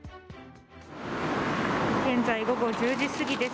現在、午後１０時過ぎです。